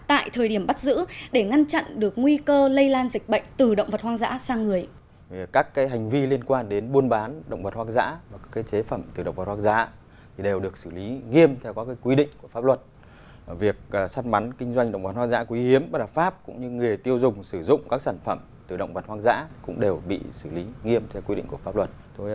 tại thời điểm bắt giữ để ngăn chặn được nguy cơ lây lan dịch bệnh từ động vật hoang dã sang người